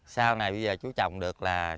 sau này bây giờ chú trồng được là